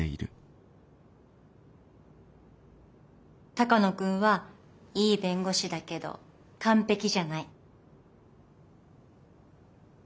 鷹野君はいい弁護士だけど完璧じゃない。